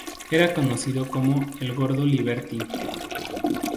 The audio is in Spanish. Era conocido como "El Gordo Liberti".